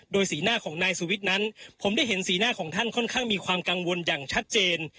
โดยสีหน้าของนายสุวิทย์นั้นผมได้เห็นสีหน้าของท่านค่อนข้างมีความกังวลอย่างชัดเจน